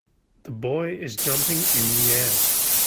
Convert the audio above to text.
The boy is jumping in the air